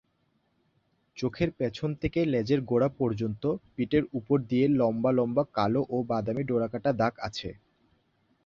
চোখের পেছন থেকে লেজের গোড়া পর্যন্ত পিঠের ওপর দিয়ে লম্বা লম্বা কালো ও বাদামি ডোরাকাটা দাগ আছে।